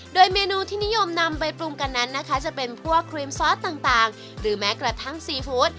โดยเมนูที่นิยมนำไปปรุงกันนั้นนะคะจะเป็นพวกครีมซอสต่างหรือแม้กระทั่งซีฟู้ด